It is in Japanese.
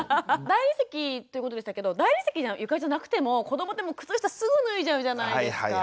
大理石ということでしたけど大理石の床じゃなくても子どもって靴下すぐ脱いじゃうじゃないですか。